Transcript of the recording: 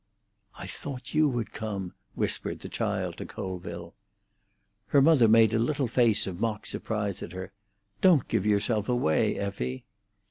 "I thought you would come," whispered the child to Colville. Her mother made a little face of mock surprise at her. "Don't give yourself away, Effie."